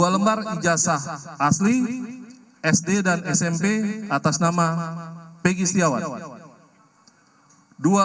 dua lembar ijazah asli sd dan smp atas nama pegi setiawan